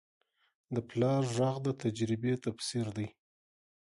د پلار غږ د تجربې تفسیر دی